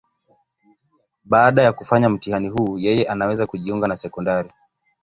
Baada ya kufanya mtihani huu, yeye anaweza kujiunga na sekondari.